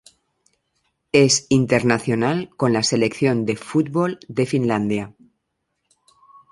Es internacional con la selección de fútbol de Finlandia.